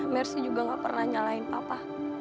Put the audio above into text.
mersi juga tidak pernah nyalahin papa